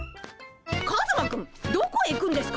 カズマくんどこへ行くんですか？